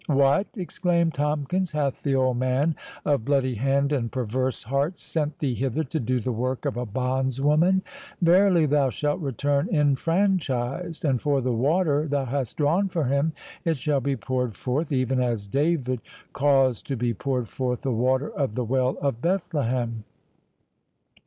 "What!" exclaimed Tomkins, "hath the old man of bloody hand and perverse heart sent thee hither to do the work of a bondswoman? Verily thou shalt return enfranchised; and for the water thou hast drawn for him, it shall be poured forth, even as David caused to be poured forth the water of the well of Bethlehem."